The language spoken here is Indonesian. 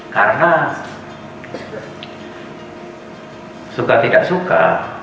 karena suka tidak suka